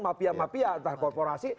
mafia mafia antar korporasi